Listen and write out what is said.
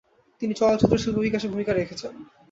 তিনি চলচ্চিত্র শিল্প বিকাশে ভূমিকা রেখেছেন।